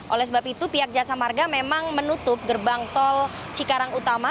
oleh sebab itu pihak jasa marga memang menutup gerbang tol cikarang utama